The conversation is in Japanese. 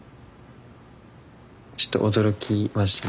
ちょっと驚きましたね。